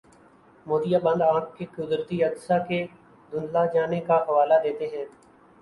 موتیابند آنکھ کے قدرتی عدسہ کے دھندلا جانے کا حوالہ دیتے ہیں